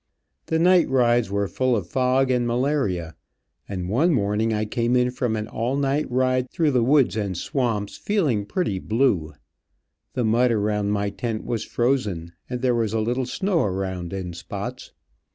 The night rides were full of fog and malaria; and one morning I came in from an all night ride through the woods and swamps, feeling pretty blue. The mud around my tent was frozen, and there was a little snow around in spots.